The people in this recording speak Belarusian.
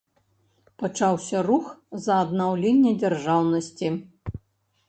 Пачаўся рух за аднаўленне дзяржаўнасці.